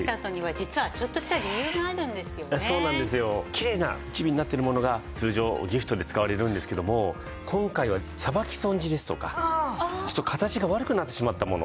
きれいな一尾になってるものが通常ギフトで使われるんですけども今回はさばき損じですとかちょっと形が悪くなってしまったもの